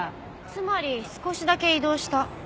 つまり少しだけ移動した。